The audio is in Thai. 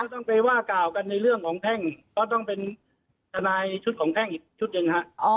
ต้องไปว่ากล่าวกันในเรื่องของแพ่งเพราะต้องเป็นทนายชุดของแพ่งอีกชุดหนึ่งฮะ